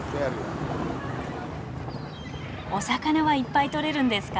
お魚はいっぱい取れるんですか？